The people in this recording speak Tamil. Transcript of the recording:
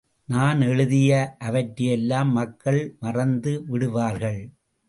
நான் எழுதிய அவற்றையெல்லாம் மக்கள் மறந்து விடுவார்கள்.